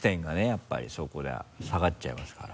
やっぱりそこで下がっちゃいますから。